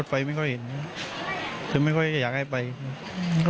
อยากให้ครอบครัวเขาเป็นครอบครัวสุดท้ายที่ต้องมาประสิทธิ์